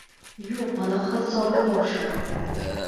Юҡ, гонаһһыҙ сабый тауышы был.